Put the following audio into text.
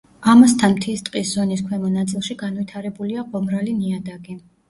ამასთან მთის ტყის ზონის ქვემო ნაწილში განვითარებულია ყომრალი ნიადაგი.